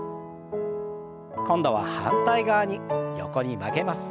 今度は反対側に横に曲げます。